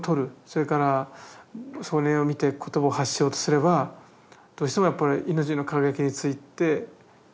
それからそれを見て言葉を発しようとすればどうしてもやっぱり命の輝きについてそれを表現してしまう。